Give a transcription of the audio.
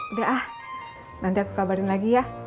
udah ah nanti aku kabarin lagi ya